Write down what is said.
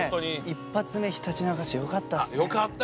一発目ひたちなか市よかったっすね。